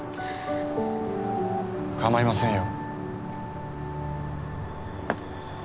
かまいませんよ。